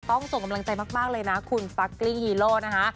ส่งกำลังใจมากเลยนะคุณฟักกลิ้งฮีโร่นะคะ